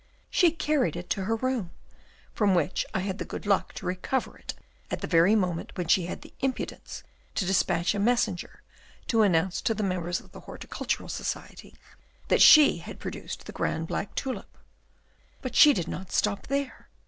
She carried it to her room, from which I had the good luck to recover it at the very moment when she had the impudence to despatch a messenger to announce to the members of the Horticultural Society that she had produced the grand black tulip. But she did not stop there.